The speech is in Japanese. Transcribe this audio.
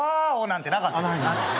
なんてなかった。